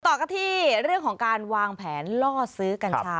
ต่อกันที่เรื่องของการวางแผนล่อซื้อกัญชา